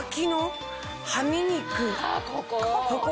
ここ！